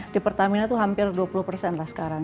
di pertamina itu hampir dua puluh persen lah sekarang